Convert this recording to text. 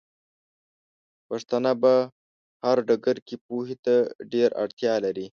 پښتانۀ په هر ډګر کې پوهې ته ډېره اړتيا لري